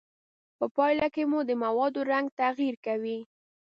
په پایله کې د موادو رنګ تغیر کوي.